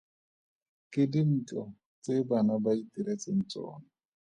Ke dintlo tse bana ba itiretseng tsona.